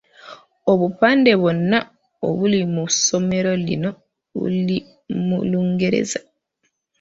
Obupande bwonna obuli mu ssomero lino buli mu Lungereza.